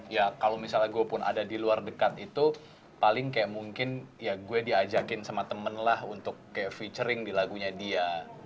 ya kalau misalnya gue pun ada di luar dekat itu paling kayak mungkin ya gue diajakin sama temen lah untuk kayak featuring di lagunya dia